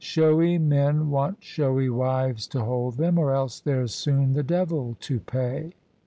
Showy men want showy wives to hold them: or else there's soon the devil to pay."